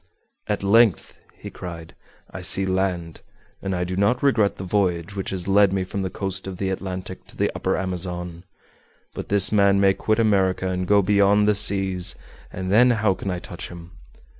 "At length," he cried, "I see land; and I do not regret the voyage which has led me from the coast of the Atlantic to the Upper Amazon. But this man may quit America and go beyond the seas, and then how can I touch him?